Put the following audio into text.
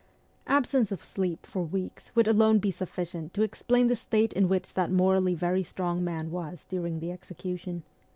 Absence of sleep for weeks would alone be sufficient to explain the state in which that morally very strong man was during the execution.